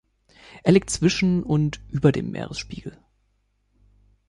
Er liegt zwischen und über dem Meeresspiegel.